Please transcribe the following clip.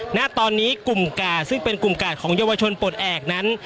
ณตอนนี้กลุ่มกาดซึ่งเป็นกลุ่มกาดของเยาวชนปลดแอบนั้น